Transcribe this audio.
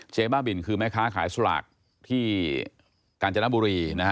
เจ๊บ้าบิลคือแม้ค้าขายสลากที่กาญจนบุรี